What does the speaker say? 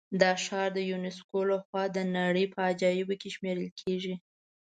دا ښار د یونسکو له خوا د نړۍ په عجایبو کې شمېرل کېږي.